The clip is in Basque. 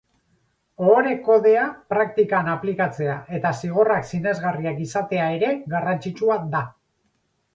Ohore-kodea praktikan aplikatzea eta zigorrak sinesgarriak izatea ere garrantzitsua da.